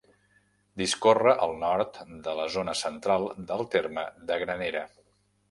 Discorre al nord de la zona central del terme de Granera.